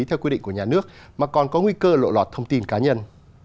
theo quy định của nhà nước mà còn có nguy cơ lộ lọt thông tin cá nhân